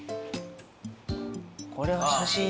これは写真やね。